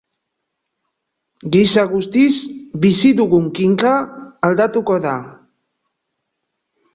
Gisa guztiz, bizi dugun kinka aldatuko da.